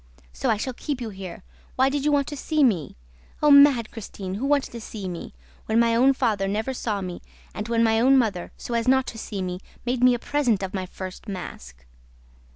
So I shall keep you here! ... Why did you want to see me? Oh, mad Christine, who wanted to see me! ... When my own father never saw me and when my mother, so as not to see me, made me a present of my first mask!'